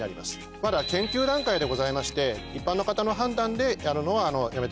まだ研究段階でございまして一般の方の判断でやるのはやめてください。